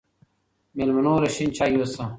مېلمنو له شين چای يوسه